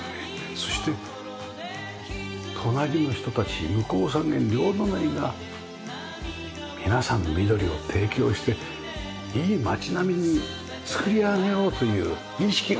そして隣の人たち向こう三軒両隣が皆さんに緑を提供していい町並みに作り上げようという意識が感じられますよね。